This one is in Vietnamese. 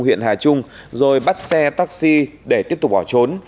huyện hà trung rồi bắt xe taxi để tiếp tục bỏ trốn